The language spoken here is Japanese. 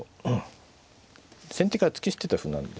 先手から突き捨てた歩なんで。